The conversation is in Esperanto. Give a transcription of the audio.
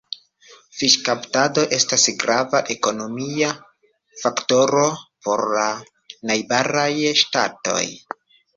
Fiŝkaptado estas grava ekonomia faktoro por la najbaraj ŝtatoj.